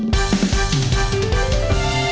บ๊ายบาย